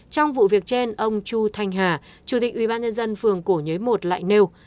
trong vụ việc trên ông chu thanh hà chủ tịch ubnd phường cổ nhới một lại nêu